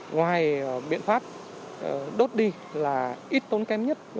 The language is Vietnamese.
ngoài biện pháp đốt đi là ít tốn kém nhất